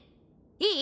いい？